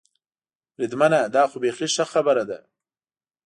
بریدمنه، دا خو بېخي ښه خبره ده.